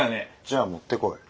じゃあ持ってこい。